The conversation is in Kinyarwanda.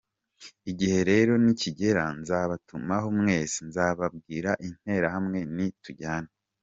Igihe rero nikigera, nzabatumaho mwese, nzabwira Interahamwe nti tujyane.